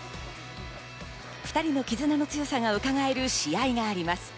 ２人のきずなの強さがうかがえる試合があります。